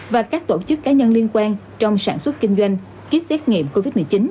và các tổ chức cá nhân liên quan trong sản xuất kinh doanh kit xét nghiệm covid một mươi chín